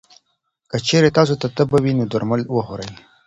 که چېرې تاسو ته تبه وي، نو درمل وخورئ.